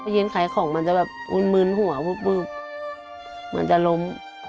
เย็นขายของมันจะแบบมื้นหัวมันจะล้ม